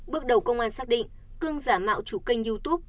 bước đầu công an xác định cương giả mạo chủ kênh youtube